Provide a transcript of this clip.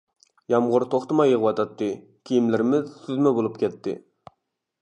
يامغۇر توختىماي يېغىۋاتاتتى، كىيىملىرىمىز سۈزمە بولۇپ كەتتى.